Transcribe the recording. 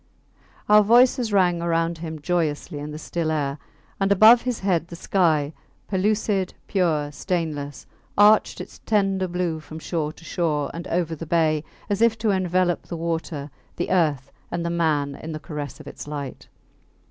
Our voices rang around him joyously in the still air, and above his head the sky, pellucid, pure, stainless, arched its tender blue from shore to shore and over the bay, as if to envelop the water, the earth, and the man in the caress of its light.